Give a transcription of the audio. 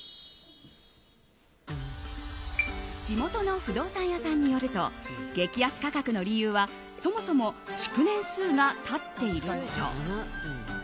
地元の不動産屋さんによると激安価格の理由はそもそも築年数が経っていること。